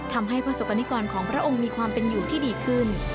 ทำให้ประสบกรณิกรของพระองค์มีความเป็นอยู่ที่ดีขึ้น